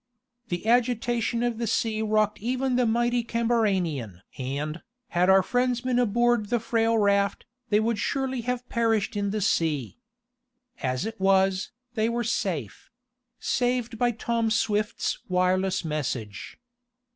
The agitation of the sea rocked even the mighty CAMBARANIAN and, had our friends been aboard the frail raft, they would surely have perished in the sea. As it was, they were safe saved by Tom Swift's wireless message.